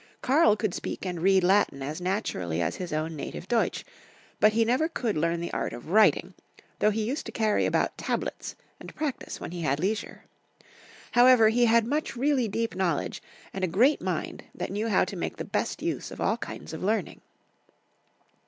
Karl could speak and read Latin as naturally as his own 60 Karl The Great. 68 native Deutsch ; but he never could learn the art of writing, though he used to carry about tablets and practise when he had leisure. However, he had much really deep knowledge, and a great mind that knew how to make the best use of all kinds of learning.